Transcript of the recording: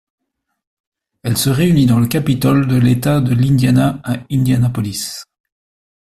Elle se réunit dans le Capitole de l'État de l'Indiana à Indianapolis.